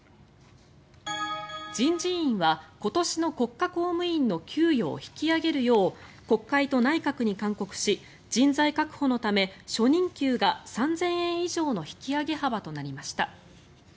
人事院は今年の国家公務員の給与を引き上げるよう国会と内閣に勧告し人材確保のため初任給が３０００円以上の引き上げ幅となりました。